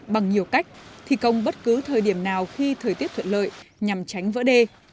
bằng nhiều cách thi công bất cứ thời điểm nào khi thời tiết thuận lợi nhằm tránh vỡ đê